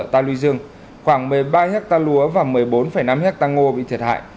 ta lưu dương khoảng một mươi ba ha lúa và một mươi bốn năm ha ngô bị thiệt hại